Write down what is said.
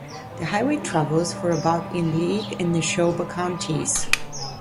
The highway travels for about in Leake and Neshoba counties.